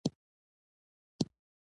لیکن د جنت یوه ټوټه شته دا پوره حقیقت دی.